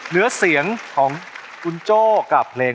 ถือถือคงมัน